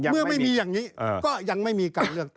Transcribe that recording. เมื่อไม่มีอย่างนี้